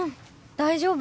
大丈夫。